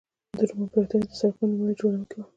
د روم امپراتوري د سړکونو لومړي جوړوونکې وه.